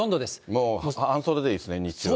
もう半袖でいいですね、日中はね。